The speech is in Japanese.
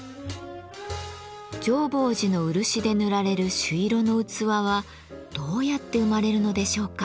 浄法寺の漆で塗られる朱色の器はどうやって生まれるのでしょうか？